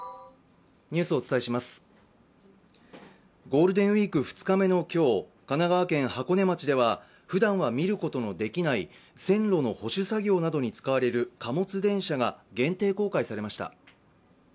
ゴールデンウイーク２日目の今日神奈川県箱根町ではふだんは見ることのできない線路の保守作業などに使われる貨物電車が限定公開されました。